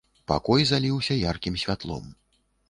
Пакой заліўся яркім святлом.